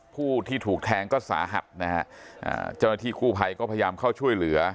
ผู้ที่ถูกแทงก็สาหัสนะฮะเจ้าหน้าที่กู้ภัยก็พยายามเข้าช่วยเหลือ